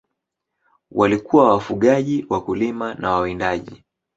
Walikuwa wafugaji, wakulima na wawindaji.